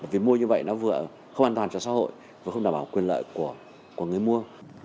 vì mua như vậy nó vừa không an toàn cho xã hội vừa không đảm bảo quyền lợi của người mua